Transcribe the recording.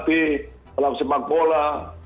pelatih dalam sepak bola